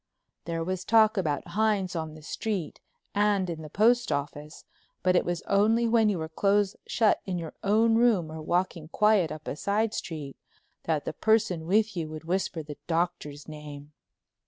There was talk about Hines on the street and in the postoffice, but it was only when you were close shut in your own room or walking quiet up a side street that the person with you would whisper the Doctor's name.